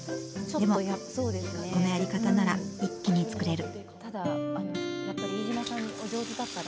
でもこのやり方なら一気に作れる。